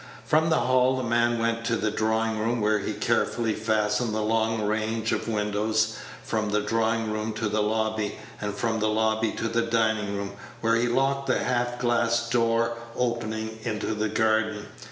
From the hall the man went to the drawing room, where he carefully fastened the long range of windows; from the drawing room to the lobby; and from the lobby to the dining room, where he locked the half glass door opening into the garden.